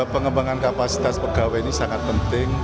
pengembangan kapasitas pegawai ini sangat penting